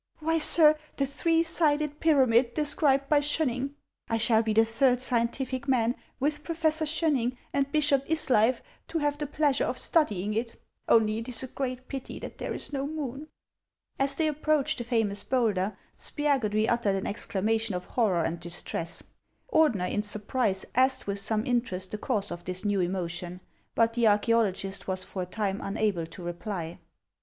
" Why, sir, the three sided pyramid described by Schoen ning. I shall be the third scientific man, with Professor Schoenning and Bishop Isleif, to have the pleasure of study ing it. Only it is a great pity that there is no moon." As they approached the famous bowlder, Spiagudry uttered an exclamation of horror and distress. Ordener, in surprise, asked with some interest the cause of this new emotion; but the archaeologist was for a time unable to reply.